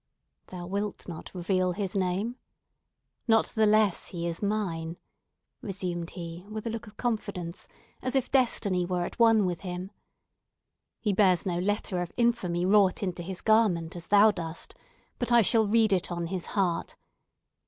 "Thou wilt not reveal his name? Not the less he is mine," resumed he, with a look of confidence, as if destiny were at one with him. "He bears no letter of infamy wrought into his garment, as thou dost, but I shall read it on his heart.